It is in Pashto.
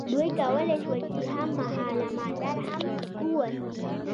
دوی کولی شول چې هم مهاله مالدار هم واوسي.